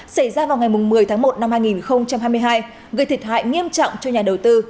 xảy ra vào ngày một mươi tháng một năm hai nghìn hai mươi hai gây thiệt hại nghiêm trọng cho nhà đầu tư